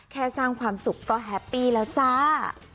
แค่สร้างความสุขก็แฮปปี้แล้วจ้า